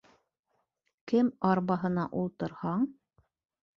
Кем арбаһына ултырһаң